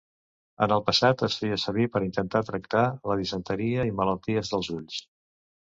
En el passat es feia servir per intentar tractar la disenteria i malalties dels ulls.